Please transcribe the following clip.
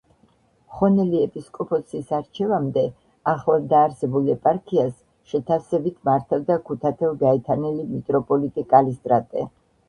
ხონელი ეპისკოპოსის არჩევამდე ახლადდაარსებულ ეპარქიას შეთავსებით მართავდა ქუთათელ-გაენათელი მიტროპოლიტი კალისტრატე.